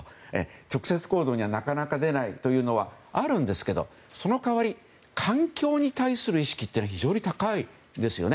直接行動にはなかなか出ないというのはあるんですけどその代わり環境に対する意識っていうのは非常に高いですよね。